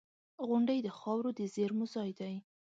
• غونډۍ د خاورو د زېرمو ځای دی.